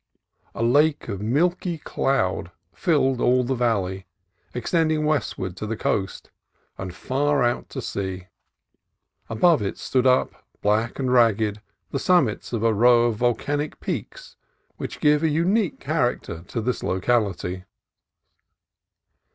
A lake of milky cloud filled all the valley, ex tending westward to the coast and far out to sea. Above it stood up, black and ragged, the summits of a row of volcanic peaks which give a unique char acter to this locality.